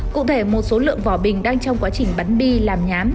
cụ thể một số lượng vỏ bình đang trong quá trình bắn đi làm nhám